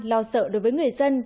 lo sợ đối với người dân của quốc gia